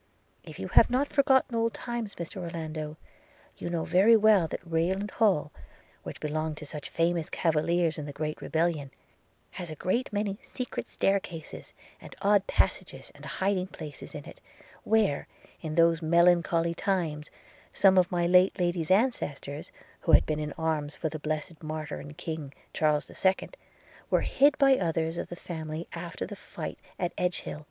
'If you have not forgot old times, Mr Orlando, you know very well that Rayland Hall, which belonged to such famous cavaliers in the great rebellion, has a great many secret staircases, and odd passages, and hiding places in it; where, in those melancholy times, some of my late Lady's ancestors, who had been in arms for the blessed Martyr and King, Charles the Second, were hid by others of the family after the fight at Edgehill, &c.